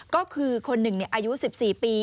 ก็คือคนหนึ่งอายุ๑๔ปี